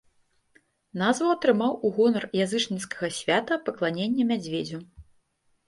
Назву атрымаў у гонар язычніцкага свята пакланення мядзведзю.